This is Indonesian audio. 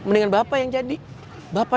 mendingan bapak yang jadi bapak